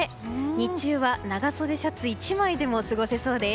日中は長袖シャツ１枚でも過ごせそうです。